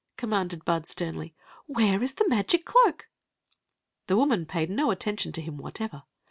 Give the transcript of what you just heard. '* commanded Bud, sternly. "Whore is #ie magic c^9a]c P The woman paid no attention to him whatever.